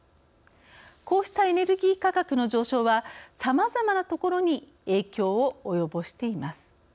こうしたエネルギー価格の上昇はさまざまなところに影響を及ぼしています。